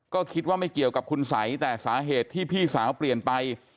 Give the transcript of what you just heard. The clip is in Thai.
ก็คิดว่าไม่เกี่ยวกับคุณสัยแต่สาเหตุที่พี่สาวเปลี่ยนไป